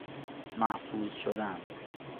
محفوظ شدن